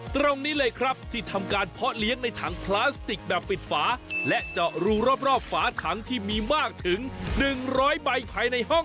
ตรงนี้ที่ทำกาลเพาะเลี้ยงในถังพลาสติคแบบปิดฝาและดูรอบฝาถังที่มีมากถึง๑ธุ์รายใบภายในห้อง